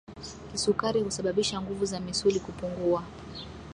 kisukari husababisha nguvu za misuli kupungua